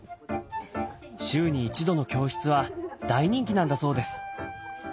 週に一度の教室は大人気なんだそうです。